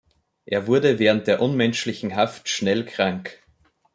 Er wurde während der unmenschlichen Haft schnell krank.